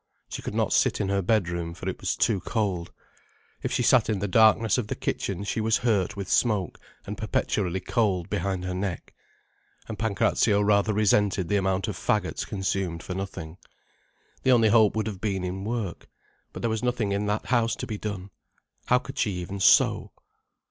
She could not sit in her bedroom, for it was too cold. If she sat in the darkness of the kitchen she was hurt with smoke, and perpetually cold behind her neck. And Pancrazio rather resented the amount of faggots consumed for nothing. The only hope would have been in work. But there was nothing in that house to be done. How could she even sew?